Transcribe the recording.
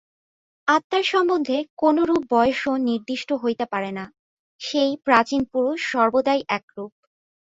আত্মার সম্বন্ধে কোনরূপ বয়সও নির্দিষ্ট হইতে পারে না, সেই প্রাচীন পুরুষ সর্বদাই একরূপ।